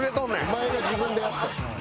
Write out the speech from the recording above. お前が自分でやったやん。